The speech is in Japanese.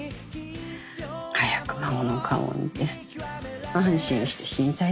早く孫の顔を見て安心して死にたいだけなのに。